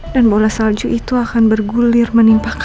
dan bola salju itu akan bergulir lagi pak